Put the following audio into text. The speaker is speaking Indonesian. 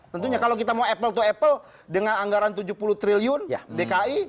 tentunya kalau kita mau apple to apple dengan anggaran tujuh puluh triliun dki